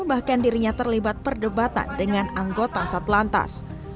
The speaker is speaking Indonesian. bahkan dirinya terlibat perdebatan dengan anggota sat lantas